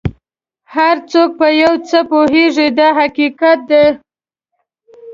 هر څوک په یو څه پوهېږي دا حقیقت دی.